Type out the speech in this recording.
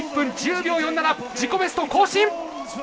１分１０秒４７自己ベスト更新！